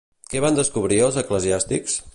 Què van descobrir els eclesiàstics?